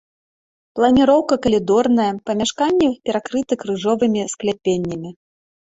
Планіроўка калідорная, памяшканні перакрыты крыжовымі скляпеннямі.